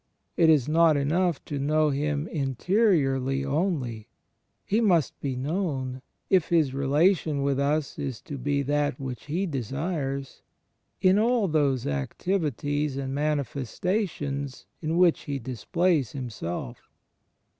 It is not enough to know Him interiorly only: He must be known (if His relation with us is to be that which He desires) in all those activities and manifestations in which He displays Himself.